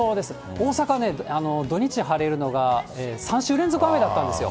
大阪、土日晴れるのが、３週連続雨だったんですよ。